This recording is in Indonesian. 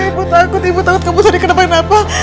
ibu takut ibu takut kamu jadi kenapa kenapa